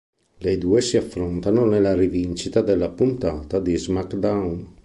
Le due si affrontarono nella rivincita della puntata di "SmackDown!